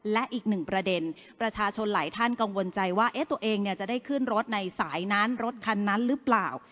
และอีกหนึ่งประเด็นประชาชนหลายท่านกังวลใจว่าตัวเองจะได้ขึ้นรถในสายนั้นรถคันนั้นหรือเปล่า